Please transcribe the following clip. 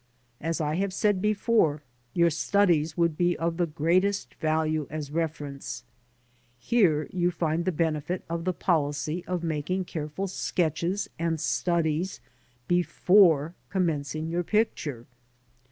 As I have said before, your studies would be of the greatest value as reference. Here you find the benefit of the policy of making careful sketches and studies before com mencing your picture.